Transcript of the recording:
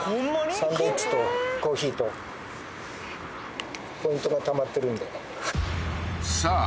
サンドイッチとコーヒーとポイントがたまってるんでさあ